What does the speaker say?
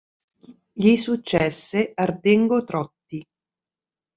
Gli successe Ardengo Trotti.